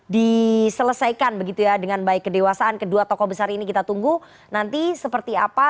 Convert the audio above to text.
diselesaikan begitu ya dengan baik kedewasaan kedua tokoh besar ini kita tunggu nanti seperti apa